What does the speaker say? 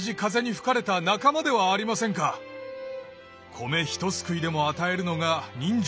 米ひとすくいでも与えるのが人情。